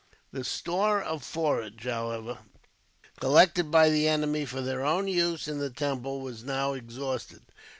The store of forage, however, collected by the enemy for their own use in the temple, was now exhausted.